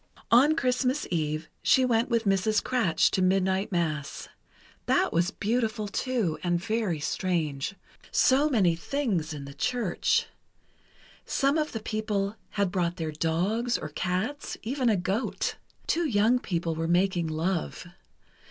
On Christmas Eve, she went with Mrs. Kratsch to Midnight Mass. That was beautiful, too, and very strange. So many things in the church. Some of the people had brought their dogs, or cats, even a goat. Two young people were making love.